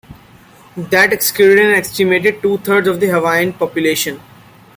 That excluded an estimated two thirds of the Hawaiian population.